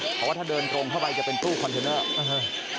เพราะว่าถ้าเดินตรงเข้าไปจะเป็นตู้คอนเทนเนอร์